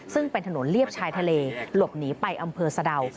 ซึ่งเป็นถนนเลียบชายทะเลหลบหนีไปอำเภอสะดาว